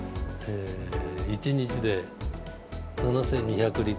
１日で７２００Ｌ。